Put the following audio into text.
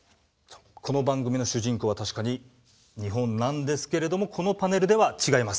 この番組の主人公は確かに日本なんですけれどもこのパネルでは違います。